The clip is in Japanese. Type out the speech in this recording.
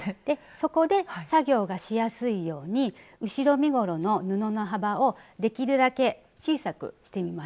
そこで作業がしやすいように後ろ身ごろの布の幅をできるだけ小さくしてみました。